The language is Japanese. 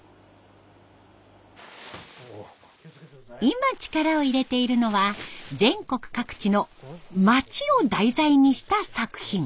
今力を入れているのは全国各地の「町」を題材にした作品。